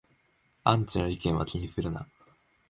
アンチの意見は気にするな